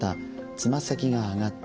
つま先が上がった。